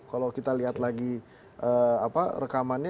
kalau kita lihat lagi rekamannya